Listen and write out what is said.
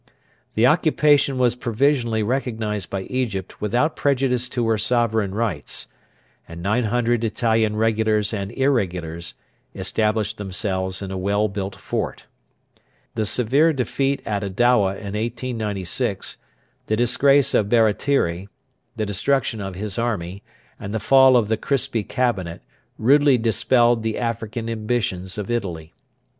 The occupation was provisionally recognised by Egypt without prejudice to her sovereign rights, and 900 Italian regulars and irregulars established themselves in a well built fort. The severe defeat at Adowa in 1896, the disgrace of Baratieri, the destruction of his army, and the fall of the Crispi Cabinet rudely dispelled the African ambitions of Italy.